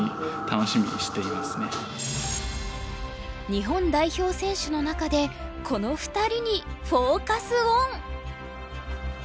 日本代表選手の中でこの２人にフォーカス・オン！